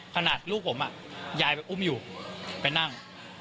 ขนาดลูกผมยายแบบอุ้มอยู่ไปนั่ง